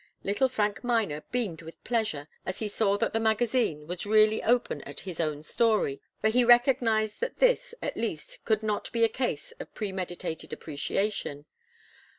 Little Frank Miner beamed with pleasure as he saw that the magazine was really open at his own story, for he recognized that this, at least, could not be a case of premeditated appreciation.